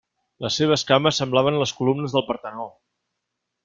Les seues cames semblaven les columnes del Partenó.